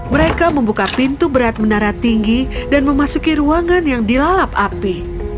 mereka membuka pintu berat menara tinggi dan memasuki ruangan yang dilalap api